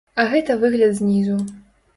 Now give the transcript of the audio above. А гэта выгляд знізу.